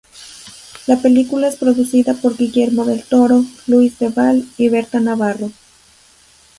La película es producida por Guillermo del Toro, Luis de Val y Bertha Navarro.